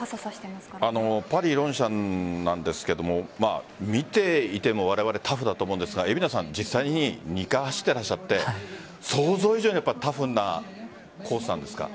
パリロンシャンなんですが見ていてもわれわれ、タフだと思うんですが実際に２回走っていらっしゃって想像以上にタフなコースなんですか？